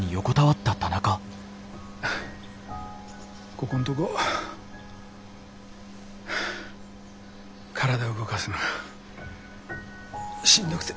ここんとこ体動かすのがしんどくて。